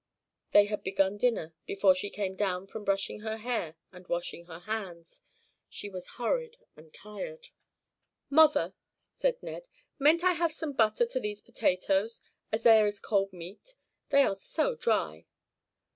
They had begun dinner, before she came down from brushing her hair and washing her hands. She was hurried and tired. "Mother," said Ned, "mayn't I have some butter to these potatoes, as there is cold meat? They are so dry."